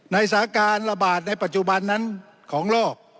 สาการระบาดในปัจจุบันนั้นของโลก